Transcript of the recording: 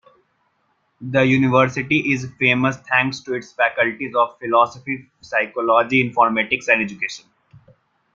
The University is famous thanks to its faculties of Philosophy, Psychology, Informatics and Education.